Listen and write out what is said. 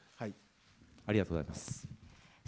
ありがとうございます。